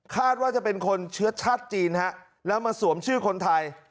ว่าจะเป็นคนเชื้อชาติจีนฮะแล้วมาสวมชื่อคนไทย